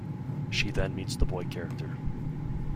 She then meets the boy character.